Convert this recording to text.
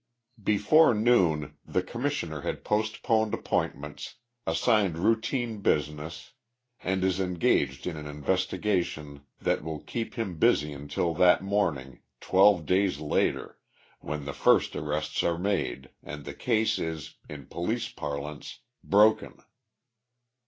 Before noon, the Commissioner has postponed appointments, assigned routine business, and is engaged in an investigation that will keep him busy until that morning, twelve days later, when the first arrests are made, and the case is, in police parlance, "broken."